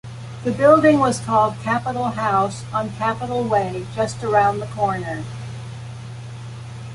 The building was called Capitol House on Capitol Way, just around the corner.